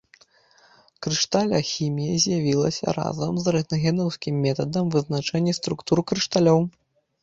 Крышталяхімія з'явілася разам з рэнтгенаўскім метадам вызначэння структур крышталёў.